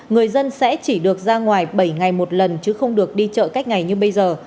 người dân sẽ chỉ được ra ngoài bảy ngày một lần chứ không được đi chợ cách ngày như bây giờ